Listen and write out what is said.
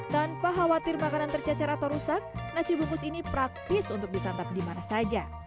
tanpa khawatir makanan tercecer atau rusak nasi bungkus ini praktis untuk disantap dimana saja